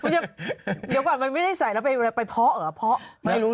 เดี๋ยวก่อนมันไม่ได้ใส่แล้วไปเพาะเหรอ